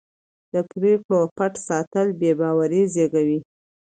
د پرېکړو پټ ساتل بې باوري زېږوي